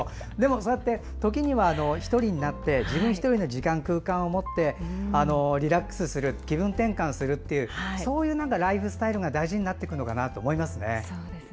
そうやってときには自分１人の時間、空間を持ってリラックス、気分転換するというそういうライフスタイルが大事になってくるのかと思います。